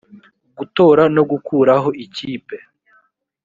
gutora no gukuraho ikipe